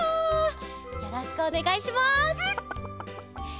よろしくおねがいします！コケッ！